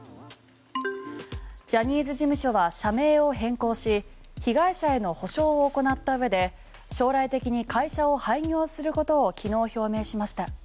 ジャニーズ事務所は社名を変更し被害者への補償を行った上で将来的に会社を廃業することを昨日表明しました。